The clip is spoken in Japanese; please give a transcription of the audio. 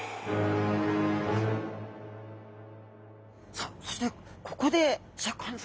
さあそしてここでシャーク香音さま皆さま。